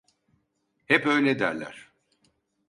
Hep öyle derler.